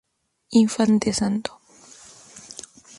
Infante Santo".